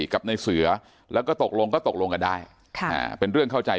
กับในเสือแล้วก็ตกลงก็ตกลงกันได้เป็นเรื่องเข้าใจ